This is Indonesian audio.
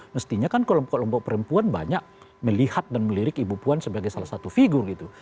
mestinya kan kelompok kelompok perempuan banyak melihat dan melirik ibu puan sebagai salah satu figur gitu